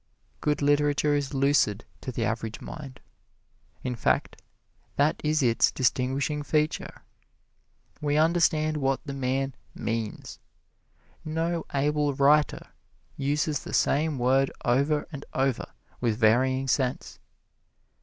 Good literature is lucid to the average mind. In fact, that is its distinguishing feature. We understand what the man means. No able writer uses the same word over and over with varying sense.